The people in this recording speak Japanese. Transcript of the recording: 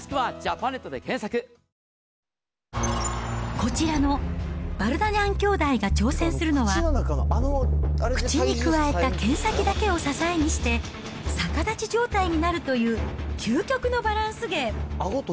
こちらのヴァルダニャン兄弟が挑戦するのは、口にくわえた剣先だけを支えにして、逆立ち状態になるという究極のバランス芸。